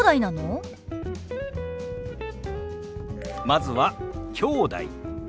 まずは「きょうだい」。